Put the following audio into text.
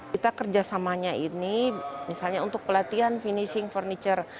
kita kerjasamanya ini misalnya untuk pelatihan finishing furniture